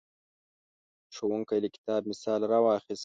ښوونکی له کتاب مثال راواخیست.